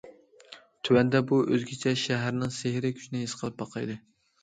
تۆۋەندە بۇ« ئۆزگىچە» شەھەرنىڭ سېھرىي كۈچىنى ھېس قىلىپ باقايلى.